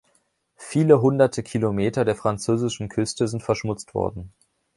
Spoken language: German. Viele Hunderte Kilometer der französischen Küste sind verschmutzt worden.